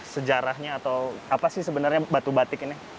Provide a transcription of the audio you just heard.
sejarahnya atau apa sih sebenarnya batu batik ini